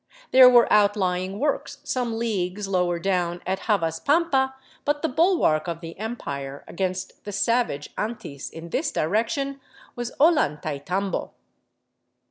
There were outlying works some leagues lower down at Havaspampa, but the bulwark of the Empire against the savage Antis in this direction was Ollantaytambo."